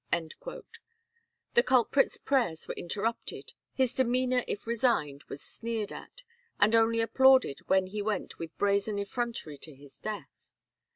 The culprit's prayers were interrupted, his demeanour if resigned was sneered at, and only applauded when he went with brazen effrontery to his death.